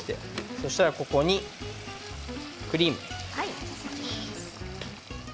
そしたら、ここにクリームですね。